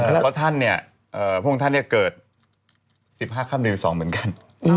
แล้วพวกท่านเนี่ยเกิดสิบห้าค่ำในวิวสองเหมือนกัน